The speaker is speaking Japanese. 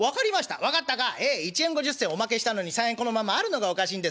「ええ１円５０銭おまけしたのに３円このままあるのがおかしいんですね。